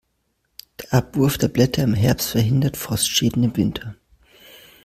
Der Abwurf der Blätter im Herbst verhindert Frostschäden im Winter.